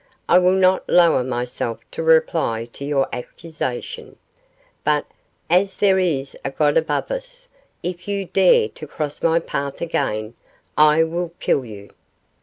'I will not lower myself to reply to your accusation; but, as there is a God above us, if you dare to cross my path again, I will kill you.